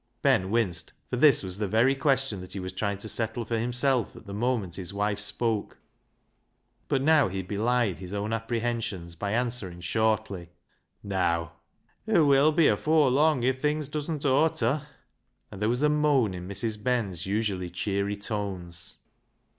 Ben winced, for this was the very question he was trying to settle for himself at the moment his wife spoke. But now he belied his own apprehensions by answering shortly —■" Neaw." " Hoo will be afoor lung if things doesn't awter;" and there was a moan in Mrs. Ben's usually cheery tones.